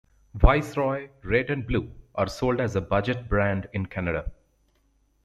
Viceroy Red and Blue are sold as a budget brand in Canada.